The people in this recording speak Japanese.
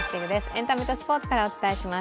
エンタメとスポーツからお伝えします。